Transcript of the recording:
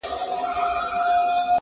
پر اوږو د وارثانو جنازه به دي زنګیږي!.